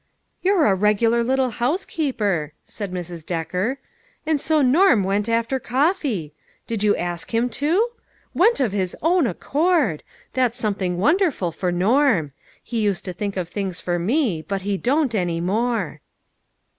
" You're a regular little housekeeper," said Mrs. Decker. " And so Norm went after coffee ! Did you ask him to ? Went of his own accord I 92 LITTLE FISHERS: AND THEIE NETS. That's something wonderful for Norm. He used to think of things for me but he don't any more."